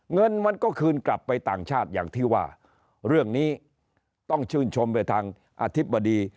เงินมันก็คืนกลับไปต่างชาติอย่างที่ว่าเรื่องนี้ต้องชื่นชมไปทางอธิบดี